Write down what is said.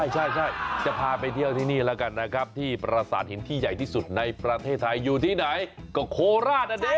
ใช่จะพาไปเที่ยวที่นี่แล้วกันนะครับที่ประสาทหินที่ใหญ่ที่สุดในประเทศไทยอยู่ที่ไหนก็โคราชนะเด้